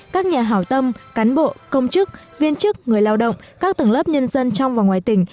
các nhà hảo tâm cán bộ công chức viên chức người lao động các tầng lớp nhân dân trong và ngoài tỉnh